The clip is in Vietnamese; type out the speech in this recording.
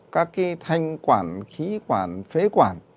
các cái thanh quản khí quản phế quản